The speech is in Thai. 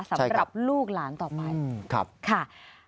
สำหรับลูกหลานต่อไปค่ะ